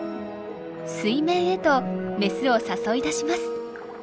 水面へとメスを誘い出します。